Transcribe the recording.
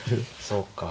そうか。